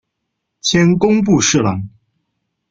迁工部侍郎。